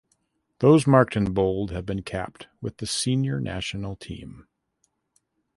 Those marked in bold have been capped with the senior national team.